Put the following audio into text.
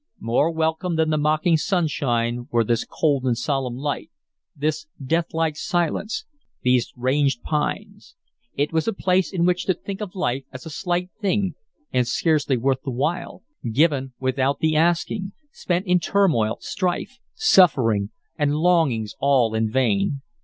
More welcome than the mocking sunshine were this cold and solemn light, this deathlike silence, these ranged pines. It was a place in which to think of life as a slight thing and scarcely worth the while, given without the asking, spent in turmoil, strife, suffering, and longings all in vain.